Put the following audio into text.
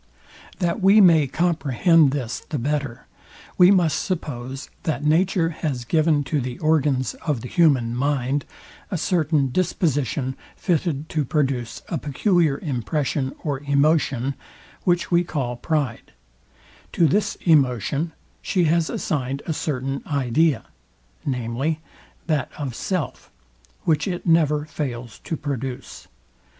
That we may comprehend this the better, we must suppose, that nature has given to the organs of the human mind, a certain disposition fitted to produce a peculiar impression or emotion, which we call pride: To this emotion she has assigned a certain idea, viz, that of self, which it never fails to produce.